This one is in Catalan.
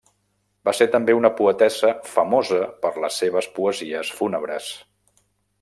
Va ser també una poetessa famosa per les seves poesies fúnebres.